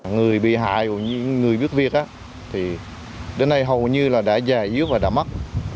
người bị hại người bước việc đến nay hầu như đã già yếu và đã mất